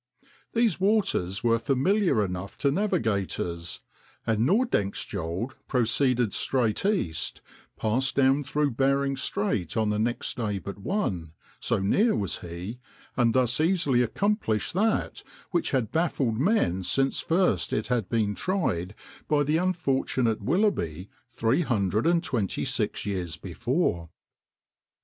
These waters were familiar enough to navigators; and Nordenskjöld proceeded straight east, passed down through Bering Strait on the next day but one (so near was he), and thus easily accomplished that which had baffled men since first it had been tried by the unfortunate Willoughby three hundred and twenty six years before.